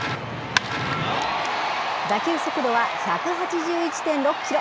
打球速度は１８１．６キロ。